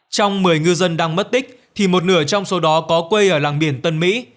trong một mươi ngư dân đang mất tích thì một nửa trong số đó có quê ở làng biển tân mỹ